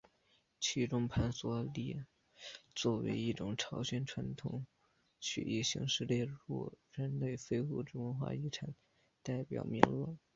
其中盘索里作为一种朝鲜传统曲艺形式列入了人类非物质文化遗产代表作名录。